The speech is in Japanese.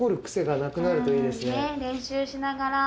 練習しながら。